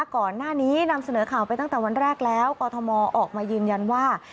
ก่อนหน้านี้นำเสนอข่าวไปตั้งแต่วันแรกแล้วกอทมออกมายืนยันว่า